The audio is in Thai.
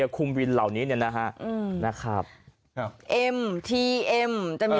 คุมวินเหล่านี้เนี่ยนะฮะอืมนะครับเอ็มทีเอ็มจะมี